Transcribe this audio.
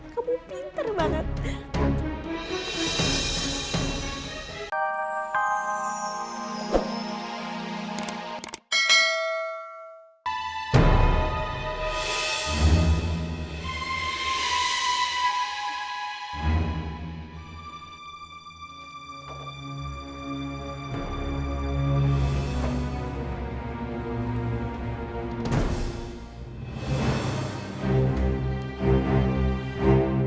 kamu pinter banget